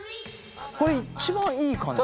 これ一番いい感じ。